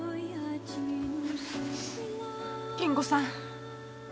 金吾さん。